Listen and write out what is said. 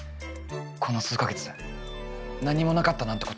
この数か月何もなかったなんてことありません。